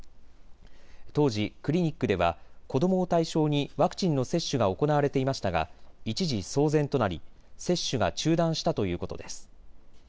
当時、クリニックでは子どもを対象にワクチンの接種が行われていましたが一時、騒然となり接種が中断したということです。